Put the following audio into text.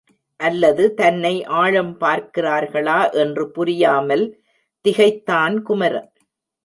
அல்லது தன்னை ஆழம் பார்க்கிறார்களா என்று புரியாமல் திகைத்தான் குமரன்.